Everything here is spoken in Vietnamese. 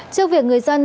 trước việc người dân